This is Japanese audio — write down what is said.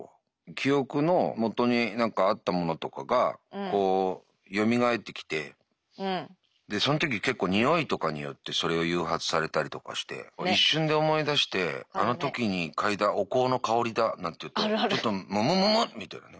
記憶のもとに何かあったものとかがこうよみがえってきてでその時結構においとかによってそれを誘発されたりとかして一瞬で思い出して「あの時に嗅いだお香の香りだ」なんて言うとちょっと「むむむむ」みたいなね。